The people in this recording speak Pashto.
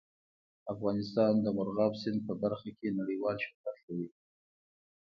افغانستان د مورغاب سیند په برخه کې نړیوال شهرت لري.